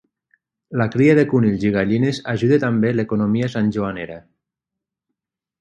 La cria de conills i gallines ajuda també l'economia santjoanera.